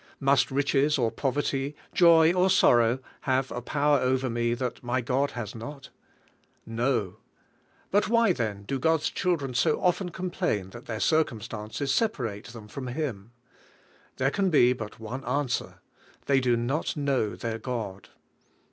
Must riches or poverty, joy or sorrow, have a power over me that my God has not? No. But why, then, do God's children so often complain 40 WAITING ON GOD that their circumstances separate them from Him? There can be but one answer, "They do not know their God."